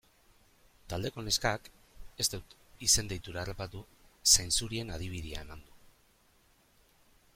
Taldeko neskak, ez dut izen-deitura harrapatu, zainzurien adibidea eman du.